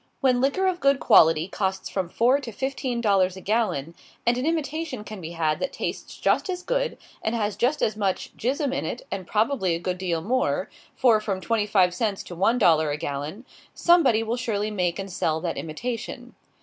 When liquor of good quality costs from four to fifteen dollars a gallon, and an imitation can be had that tastes just as good, and has just as much "jizm" in it, and probably a good deal more, for from twenty five cents to one dollar a gallon, somebody will surely make and sell that imitation.